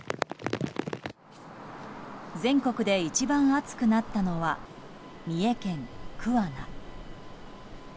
全国で一番暑くなったのは三重県桑名。